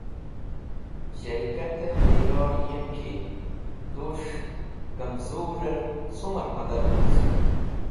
Shẽrikatẽ miyor yem ki tus̃h kamzurvẽr cũmẽr medad woc.